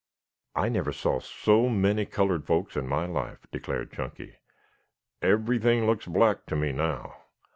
"I never saw so many colored folks in my life," declared Chunky. "Everything looks black to me now.